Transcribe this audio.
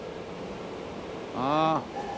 ああ。